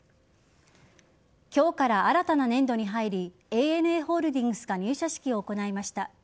今日から新たな年度に入りＡＮＡホールディングスが入社式を行いました。